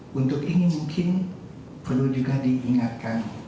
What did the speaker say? dan untuk ini mungkin perlu juga diingatkan